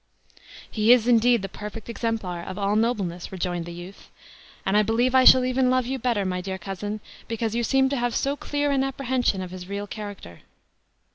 "He is, indeed, the perfect exemplar of all nobleness," rejoined the youth; "and I believe I shall even love you better, my dear cousin, because you seem to have so clear an apprehension of his real character."